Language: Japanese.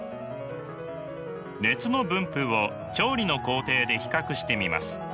熱の分布を調理の工程で比較してみます。